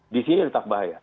di sini tetap bahaya